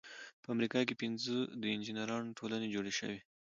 په امریکا کې پنځه د انجینری ټولنې جوړې شوې.